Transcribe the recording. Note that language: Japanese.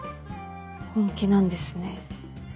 本気なんですね。